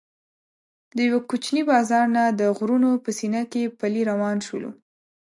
د یوه کوچني بازار نه د غرونو په سینه کې پلی روان شولو.